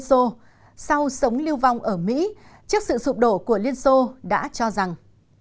sau sống lưu vong ở mỹ trước sự sụp đổ của liên xô đã cho rằng